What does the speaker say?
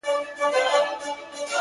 نو شاعري څه كوي.